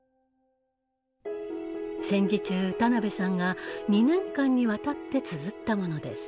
戦時中田辺さんが２年間にわたってつづったものです。